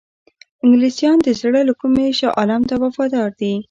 انګلیسیان د زړه له کومي شاه عالم ته وفادار دي.